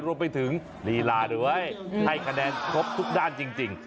รวมไปถึงลีลาด้วยให้คะแนนครบทุกด้านจริง